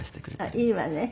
あっいいわね。